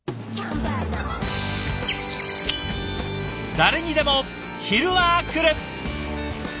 誰にでも昼はくる。